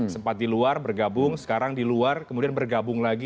sempat di luar bergabung sekarang di luar kemudian bergabung lagi